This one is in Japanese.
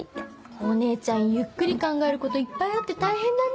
お姉ちゃんゆっくり考えることいっぱいあって大変だね。